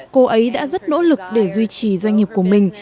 cô ấy đã rất nỗ lực để duy trì doanh nghiệp của mình